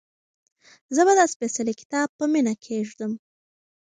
زه به دا سپېڅلی کتاب په مینه کېږدم.